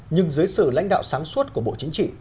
nhưng dưới sự lãnh đạo sáng suốt của bộ chính trị